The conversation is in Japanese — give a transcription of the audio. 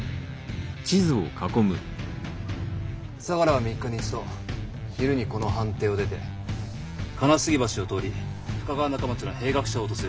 相楽は３日に一度昼にこの藩邸を出て金杉橋を通り深川仲町の兵学者を訪れる。